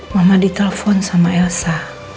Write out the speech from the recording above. mama ditelepon sama elsa